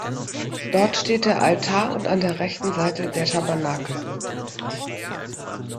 Dort steht der Altar und an der Rechten Seite der Tabernakel.